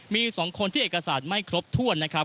มี๒คนที่เอกสารไม่ครบถ้วนนะครับ